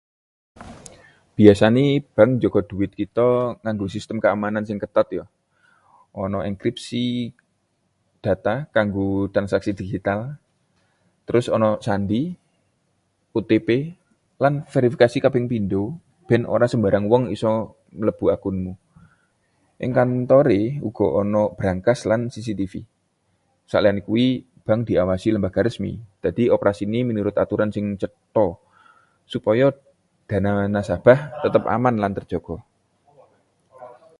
Biasane bank njaga dhuwit kita nganggo sistem keamanan sing ketat, ya. Ana enkripsi data kanggo transaksi digital, terus ana sandhi, OTP, lan verifikasi kaping pindho ben ora sembarang wong isa mlebu akunmu. Ing kantoré uga ana brankas lan CCTV. Saliyane kuwi, bank diawasi lembaga resmi, dadi operasine miturut aturan sing cetha supaya dana nasabah tetep aman lan terjaga.